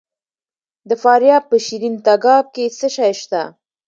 د فاریاب په شیرین تګاب کې څه شی شته؟